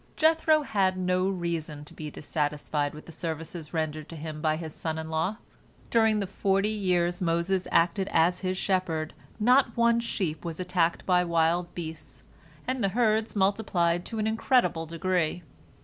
Jethro had no reason to be dissatisfied with the services rendered to him by his son in law. During the forty years Moses acted as his shepherd not one sheep was attacked by wild beasts, and the herds multiplied to an incredible degree.